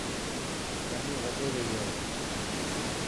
گرمي وڌي گئي هي.